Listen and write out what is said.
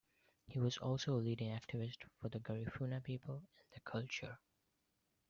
He was also a leading activist for the Garifuna people and their culture.